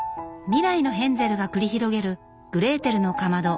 未来のヘンゼルが繰り広げる「グレーテルのかまど」